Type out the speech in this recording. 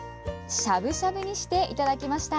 しゃぶしゃぶにしていただきました。